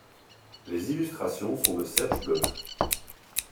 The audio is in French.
Les illustrations sont de Serge Bloch.